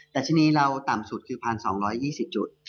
แต่ที่นี้เราต่ำสุดคือ๑๒๒๐จุด